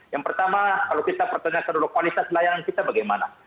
yang pertama kalau kita pertanyakan dulu kualitas layanan kita bagaimana